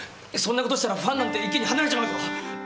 そんな事したらファンなんて一気に離れちまうぞ。